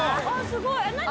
すごい何？